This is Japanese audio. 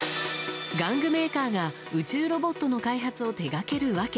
玩具メーカーが、宇宙ロボットの開発を手がける訳。